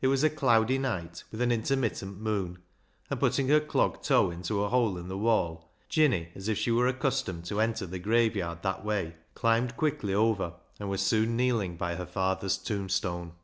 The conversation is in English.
It was a cloudy night, with an intermittent moon, and putting her clog toe into a hole in the wall. Jinny, as if she were accustomed to enter the graveyard that wa}', climbed quickly over, and was soon kneeling by her father's tombstone.